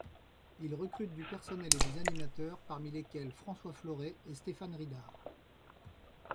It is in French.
Il recrute du personnel et des animateurs, parmi lesquels François Floret et Stéphane Ridard.